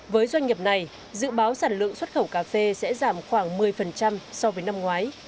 với doanh nghiệp này dự báo sản lượng xuất khẩu cà phê sẽ giảm khoảng một mươi so với năm ngoái